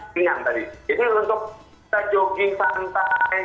siang tadi jadi untuk kita jogging santai